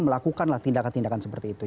melakukanlah tindakan tindakan seperti itu